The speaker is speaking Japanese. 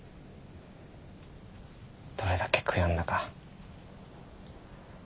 どれだけ悔やんだか。